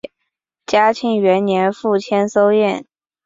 嘉庆元年赴千叟宴。